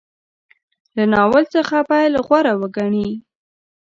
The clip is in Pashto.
له ناول څخه پیل غوره وګڼي.